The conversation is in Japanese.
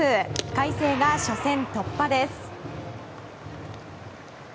海星が初戦突破です。